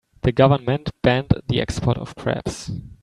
The government banned the export of crabs.